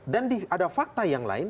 dan ada fakta yang lain